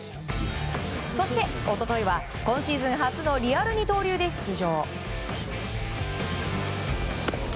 そして、一昨日は今シーズン初のリアル二刀流で出場。